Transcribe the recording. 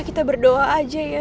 kita berdoa aja ya